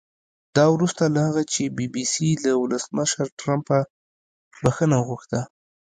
دا وروسته له هغه چې بي بي سي له ولسمشر ټرمپه بښنه وغوښته